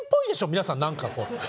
皆さん何かこう。